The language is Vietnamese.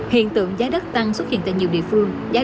hiện tượng giá đất tăng xuất hiện tại nhiều địa phương